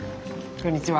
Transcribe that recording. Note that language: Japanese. こんにちは。